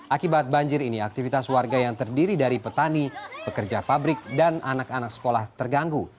akibat banjir ini aktivitas warga yang terdiri dari petani pekerja pabrik dan anak anak sekolah terganggu